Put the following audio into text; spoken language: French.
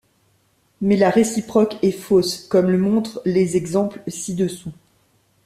Mais la réciproque est fausse, comme le montrent les exemples ci-dessous.